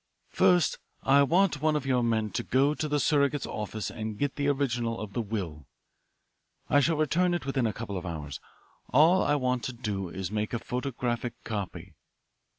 "First, I want one of your men to go to the surrogate's office and get the original of the will. I shall return it within a couple of hours all I want to do is to make a photographic copy.